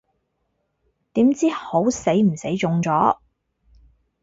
點知好死唔死中咗